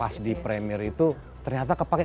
pas di premier itu ternyata kepake